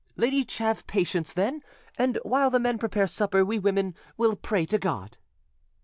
Let each have patience, then, and while the men prepare supper, we women will pray to God."